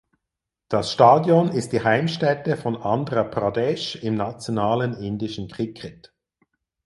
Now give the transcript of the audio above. Das Stadion ist die Heimstätte von Andhra Pradesh im nationalen indischen Cricket.